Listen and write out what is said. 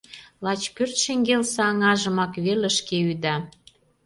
Лач пӧрт шеҥгелсе аҥажымак веле шке ӱда.